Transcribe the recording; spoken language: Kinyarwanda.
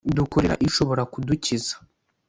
dukorera ishobora kudukiza